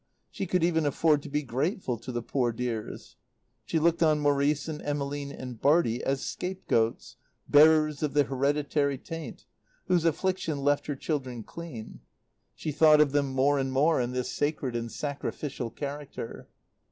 She could even afford to be grateful to the poor dears. She looked on Maurice and Emmeline and Bartie as scapegoats, bearers of the hereditary taint, whose affliction left her children clean. She thought of them more and more in this sacred and sacrificial character.